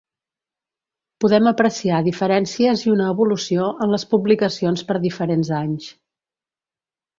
Podem apreciar diferències i una evolució en les publicacions per diferents anys.